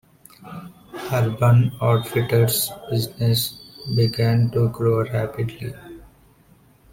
Urban Outfitters' business began to grow rapidly.